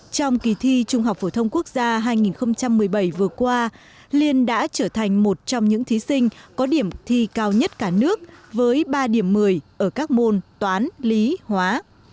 trong kỳ thi trung học phổ thông quốc gia hai nghìn một mươi bảy vừa qua liên đã trở thành một trong những thí sinh có điểm thi cao nhất cả nước với ba điểm một mươi ở các môn toán lý hóa